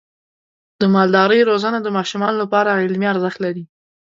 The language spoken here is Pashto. د مالدارۍ روزنه د ماشومانو لپاره علمي ارزښت لري.